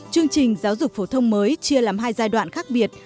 chương trình giáo dục phổ thông mới chia làm hai giai đoạn khác biệt